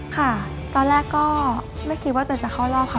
ค่ะตอนแรกก็ไม่คิดว่าตัวเองจะเข้ารอบค่ะ